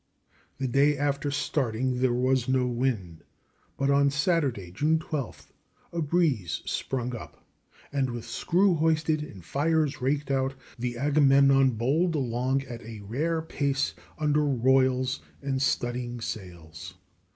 The day after starting there was no wind; but on Saturday, June 12th, a breeze sprung up, and, with screw hoisted and fires raked out, the Agamemnon bowled along at a rare pace under "royals" and studding sails.